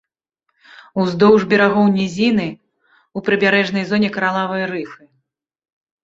Уздоўж берагоў нізіны, у прыбярэжнай зоне каралавыя рыфы.